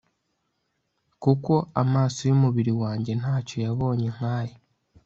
kuko amaso yumubiri wanjye ntacyo yabonye nkaya